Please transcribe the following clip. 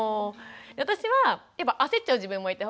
私はやっぱ焦っちゃう自分もいて。